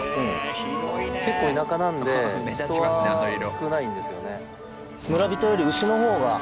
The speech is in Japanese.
結構田舎なので人は少ないんですよね。